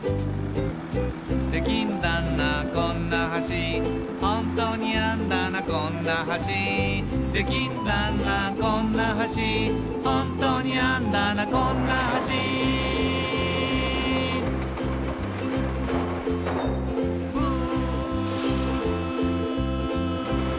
「できんだなこんな橋」「ホントにあんだなこんな橋」「できんだなこんな橋」「ホントにあんだなこんな橋」「ウー」